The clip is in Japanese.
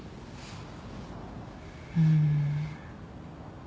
うん。